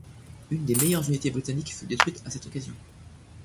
Une des meilleures unités britanniques fut détruite à cette occasion.